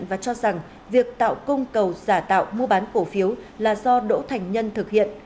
và cho rằng việc tạo cung cầu giả tạo mua bán cổ phiếu là do đỗ thành nhân thực hiện